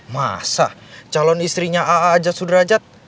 masa calon istrinya aa ajat sudrajat